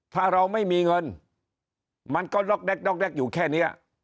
ถ้าเราไม่มีเงินมันก็ดอกแดกดอกแดกอยู่แค่เนี้ย